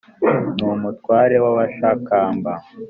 n’umutware w’abashakamba